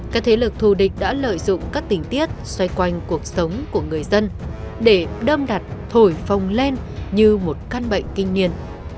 các thế lực thù địch đã lợi dụng các tình tiết xoay quanh cuộc sống của người dân để đâm đặt thổi phồng lên như một căn bệnh kinh niên